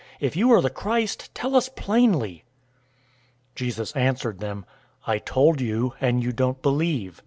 If you are the Christ, tell us plainly." 010:025 Jesus answered them, "I told you, and you don't believe.